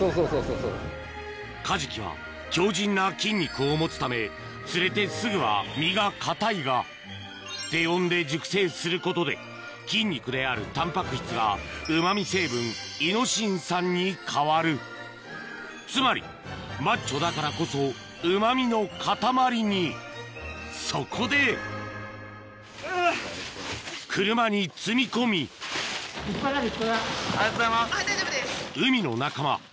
カジキは強靱な筋肉を持つため釣れてすぐは身が硬いが低温で熟成することで筋肉であるタンパク質がうま味成分イノシン酸に変わるつまりマッチョだからこそうま味のかたまりにそこで車に積み込み海の仲間